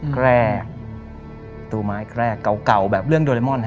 แกรกประตูไม้แกรกเก่าแบบเรื่องโดเรมอนฮะ